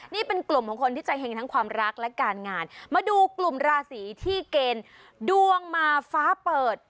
นี่เป็นกลุ่มของคนที่ใจเห็งทั้งความรักและการงานมาดูกลุ่มราศีที่เกณฑ์ดวงมาฟ้าเปิด